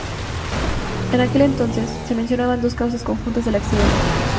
En aquel entonces, se mencionaban dos causas conjuntas del accidente.